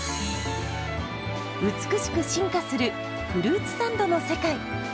美しく進化するフルーツサンドの世界。